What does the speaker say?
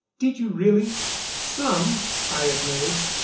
"Did you really?" "Some," I admitted.